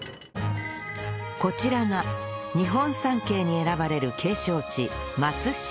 こちらが日本三景に選ばれる景勝地松島